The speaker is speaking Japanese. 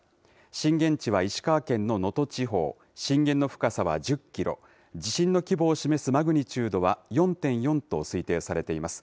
震源地は石川県の能登地方、震源の深さは１０キロ、地震の規模を示すマグニチュードは４．４と推定されています。